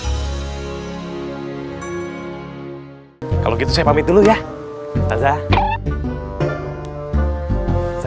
hai kalau gitu saya pamit dulu ya bazaar